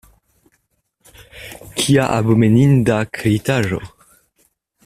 Kia abomeninda kreitaĵo!